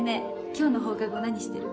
今日の放課後何してる？